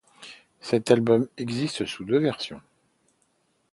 Cet album existe sous deux versions.